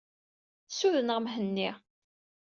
Ssudneɣ Mhenni.